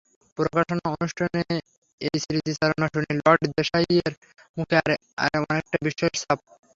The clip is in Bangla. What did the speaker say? প্রকাশনা অনুষ্ঠানে এই স্মৃতিচারণা শুনে লর্ড দেশাইয়ের মুখে অনেকটা বিস্ময়ের ছাপ।